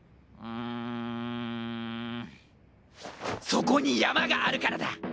そこに山があるからだ！